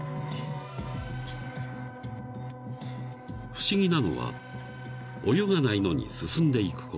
［不思議なのは泳がないのに進んでいくこと］